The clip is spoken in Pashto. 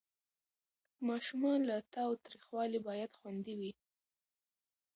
ماشومان له تاوتریخوالي باید خوندي وي.